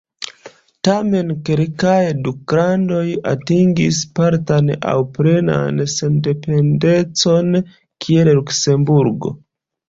Tamen kelkaj duklandoj atingis partan aŭ plenan sendependecon, kiel Luksemburgo.